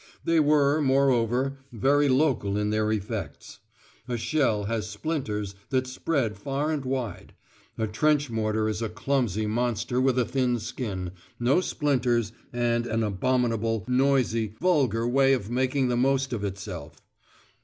They were, moreover, very local in their effects. A shell has splinters that spread far and wide; a trench mortar is a clumsy monster with a thin skin, no splinters, and an abominable, noisy, vulgar way of making the most of itself.